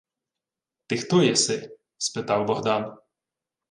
— Ти хто єси? — спитав Богдан.